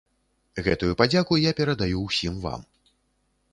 Гэтую падзяку я перадаю ўсім вам.